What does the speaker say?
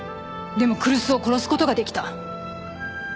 でも来栖を殺すことができた。